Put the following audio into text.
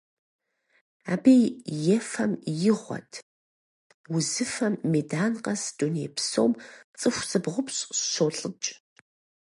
Абы ефэм игъуэт узыфэм медан къэс дуней псом цӀыху зыбгъупщӀ щолӀыкӀ.